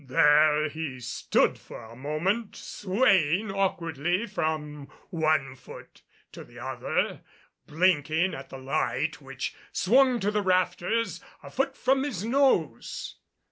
There he stood for a moment swaying awkwardly from one foot to the other, blinking at the light which swung to the rafters a foot from his nose.